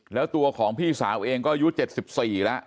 แล้วตัวของพี่สาวเองก็อายุเจ็ดสิบสี่แล้ว